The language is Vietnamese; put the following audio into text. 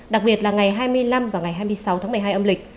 đặc biệt là ngày hai mươi năm và ngày hai mươi sáu tháng một mươi hai âm lịch